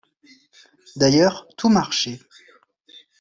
D’ailleurs, tout marchait !